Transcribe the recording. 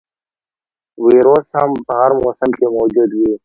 ویروس په هر موسم کې موجود وي.